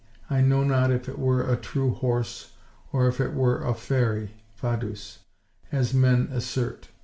I know not if it were a true horse, or if it were a fairy (fadus), as men assert."